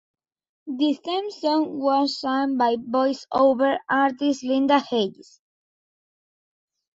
The theme song was sung by voice-over artist Lynda Hayes.